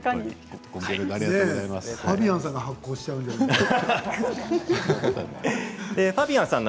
ファビアンさんが発酵しちゃうんじゃない？